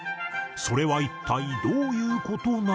それは一体どういう事なのか？